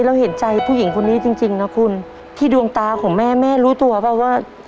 เราเห็นใจผู้หญิงคนนี้จริงจริงนะคุณที่ดวงตาของแม่แม่รู้ตัวเปล่าว่า